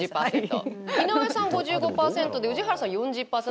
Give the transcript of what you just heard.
井上さんは、５５％で宇治原さんは、４０％。